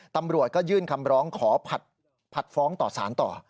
ตำรวจก็ยื่นคำร้องขอผัดฟ้องต่อสารต่อ